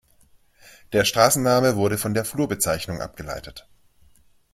Der Straßenname wurde von der Flurbezeichnung abgeleitet.